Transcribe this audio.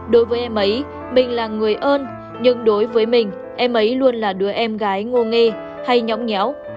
đối với em ấy mình là người ơn nhưng đối với mình em ấy luôn là đứa em gái ngô nghe hay nhóng nhéo